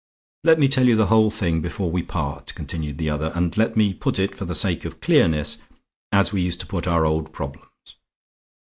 "Let me tell you the whole thing before we part," continued the other, "and let me put it, for the sake of clearness, as we used to put our old problems.